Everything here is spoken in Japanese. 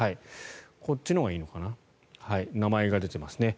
こっちのほうがいいかな名前が出ていますね。